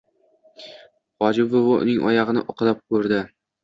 Hoji buvi uning oyog‘ini uqalab ko‘rdi.